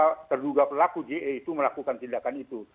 betul betul bahwa terduga pelaku je itu melakukan tindakan itu